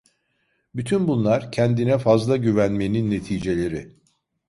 Bütün bunlar kendine fazla güvenmenin neticeleri.